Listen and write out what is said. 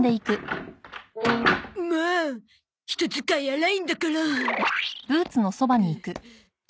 もう人使い荒いんだから。